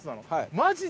マジで？